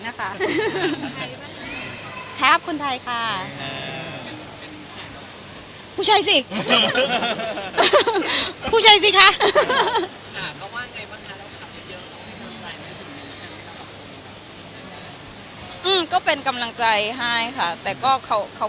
เห็นหรือยังคะ